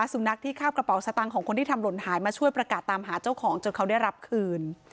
สุนัขที่คาบกระเป๋าสตางค์ของคนที่ทำหล่นหายมาช่วยประกาศตามหาเจ้าของจนเขาได้รับคืน